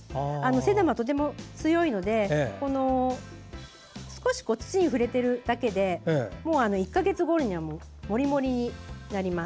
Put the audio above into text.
セダムはとても強いので少し土に触れているだけで１か月後にはもりもりになります。